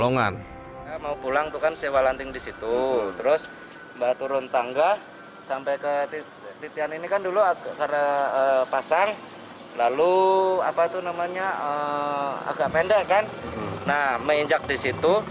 nah menginjak di situ